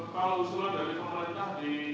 kalau usulan dari pemerintah di